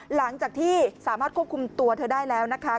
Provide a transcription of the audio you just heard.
หลังจากที่สามารถควบคุมตัวเธอได้แล้วนะคะ